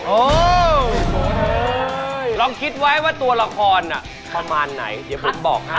โอ้โหลองคิดไว้ว่าตัวละครประมาณไหนเดี๋ยวผมบอกให้